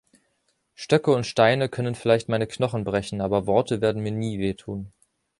Stöcke und Steine können vielleicht meine Knochen brechen, aber Worte werden mir nie wehtun.